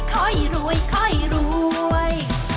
ค่อยรวยค่อยรวย